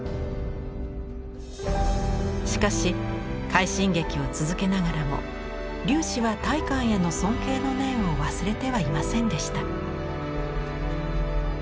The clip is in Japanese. しかし快進撃を続けながらも龍子は大観への尊敬の念を忘れてはいませんでした。